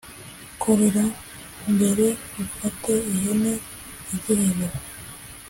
korera mbere ufate ihene igihebeba”